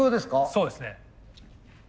そうですね。